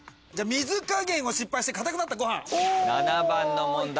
水加減を失敗してかたくなったご飯！